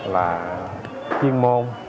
là chuyên môn